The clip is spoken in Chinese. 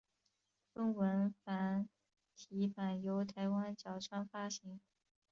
中文繁体版由台湾角川发行。